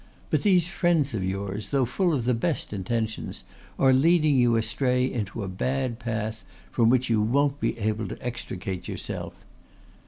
But these friends of yours, though full of the best intentions, are leading you astray into a bad path, from which you won't be able to extricate yourself.